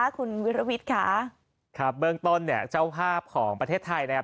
คุณวิรวิทย์ค่ะครับเบื้องต้นเนี่ยเจ้าภาพของประเทศไทยนะครับ